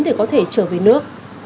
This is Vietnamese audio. để có thể trở về nước